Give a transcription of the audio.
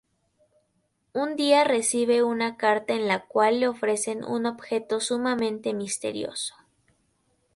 Un día recibe una carta en la cual le ofrecen un objeto sumamente misterioso.